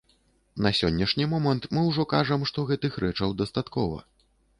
На сённяшні момант мы ўжо кажам, што гэтых рэчаў дастаткова.